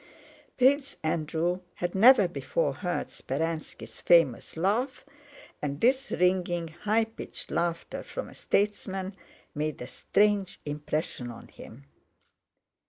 Prince Andrew had never before heard Speránski's famous laugh, and this ringing, high pitched laughter from a statesman made a strange impression on him.